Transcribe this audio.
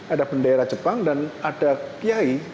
ada bendera jepang dan ada kiai